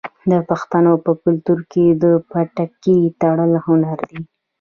د پښتنو په کلتور کې د پټکي تړل هنر دی.